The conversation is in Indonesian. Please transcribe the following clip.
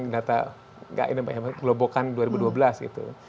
data nggak ini mbak ya kelembokan dua ribu dua belas gitu